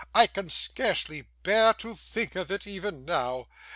I can scarcely bear to think of it even now.